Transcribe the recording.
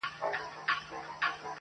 • عبدالباري جهاني: څرنګه شعر ولیکو؟ -